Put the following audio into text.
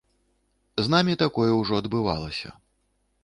З намі такое ўжо адбывалася.